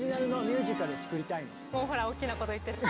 もうほら大きなこと言ってる。